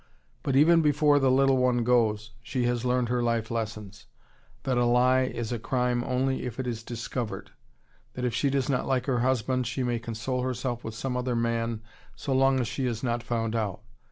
But even before the little one goes, she has learned her life lessons, that a lie is a crime only if it is discovered, that if she does not like her husband she may console herself with some other man so long as she is not found out.